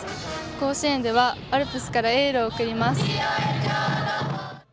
甲子園では、アルプスからエールを送ります。